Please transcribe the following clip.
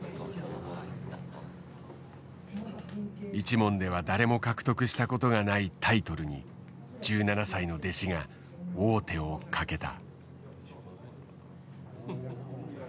一門では誰も獲得したことがないタイトルに１７歳の弟子が王手をかけた。